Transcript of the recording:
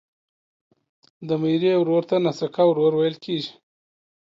د ميرې زوی ته ناسکه ورور ويل کیږي